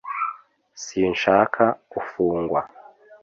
sinshaka gufungwa